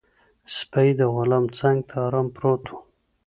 سپی د غلام څنګ ته ارام پروت و.